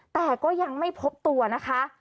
แต่ก็ยังไม่พบตัวนะคะ